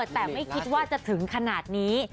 แต่ไม่คิดว่าจะถึงขนาดนี้